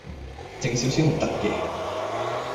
靜少少唔得嘅